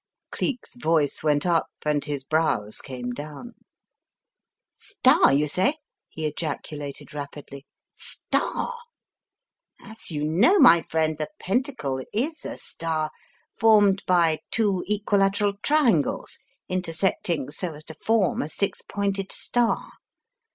Cleek's voice went up, and his brows came down. "Star, you say," he ejaculated rapidly. "Star? As you know, my friend, the Pentacle is a star formed by two equilateral triangles intersecting so as to form a six pointed star.